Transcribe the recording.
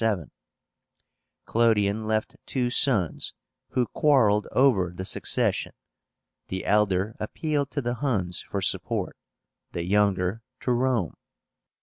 Clodion left two sons, who quarrelled over the succession. The elder appealed to the Huns for support, the younger to Rome.